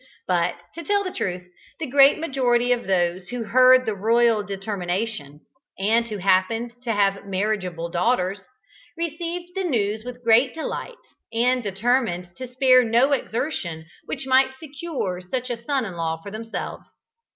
But, to tell the truth, the great majority of those who heard the royal determination, and who happened to have marriageable daughters, received the news with great delight, and determined to spare no exertion which might secure such a son in law for themselves.